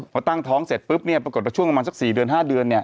พอตั้งท้องเสร็จปุ๊บเนี่ยปรากฏก็ช่วงประมาณสัก๔๕เดือนเนี่ย